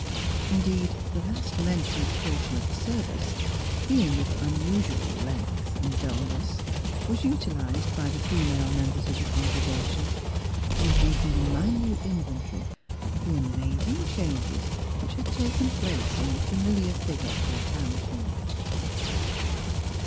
Indeed, the last mentioned portion of the serv ice, being of unusual length and dullness, was utilized by the female members of the congregation in making a minute inventory of the amaz ing changes which had taken place in the familiar figure of their townswoman.